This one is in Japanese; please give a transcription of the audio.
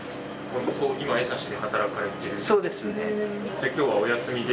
じゃあ今日はお休みで？